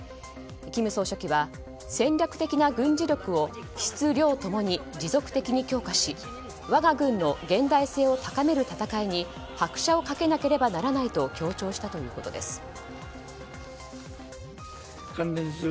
金総書記は、戦略的な軍事力を質・量共に持続的に強化し我が軍の現代性を高める戦いに拍車をかけなければならないと強調したということです。